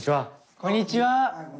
こんにちは。